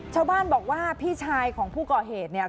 ชาวบ้านบอกว่าพี่ชายของผู้ก่อเหตุเนี่ย